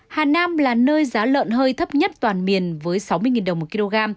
hà nam là nơi giá lợn hơi thấp nhất toàn miền với sáu mươi đồng một kg